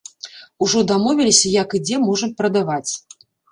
Ужо дамовіліся, як і дзе можам прадаваць.